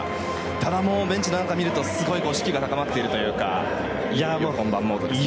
ただ、ベンチを見ると士気が高まっているというか本番モードですね。